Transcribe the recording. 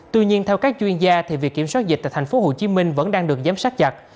tuy nhiên theo các chuyên gia thì việc kiểm soát dịch tại tp hcm vẫn đang được giám sát chặt